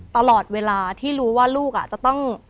ตลอดเวลาที่รู้ว่าลูกจะต้อง